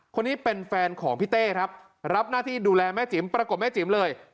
คนนี้เป็นแฟนของพี่เต้ครับรับหน้าที่ดูแลแม่จิ๋มประกบแม่จิ๋มเลย